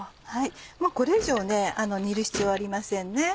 もうこれ以上煮る必要はありませんね。